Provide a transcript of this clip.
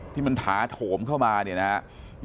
ที่มันถาโถมเข้ามาเนี่ยนะครับ